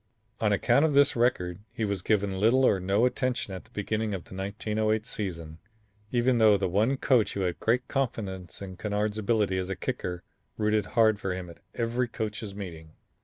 On account of this record, he was given little or no attention at the beginning of the 1908 season, even though the one coach who had great confidence in Kennard's ability as a kicker rooted hard for him at every coaches' meeting.